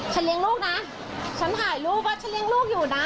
เลี้ยงลูกนะฉันถ่ายรูปว่าฉันเลี้ยงลูกอยู่นะ